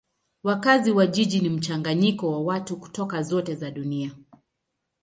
Wakazi wa jiji ni mchanganyiko wa watu kutoka zote za dunia.